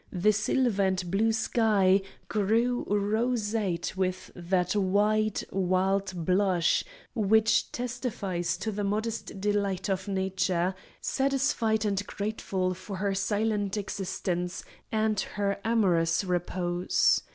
The silver and blue sky grew roseate with that wide wild blush which testifies to the modest delight of nature, satisfied and grateful for her silent existence and her amorous repose.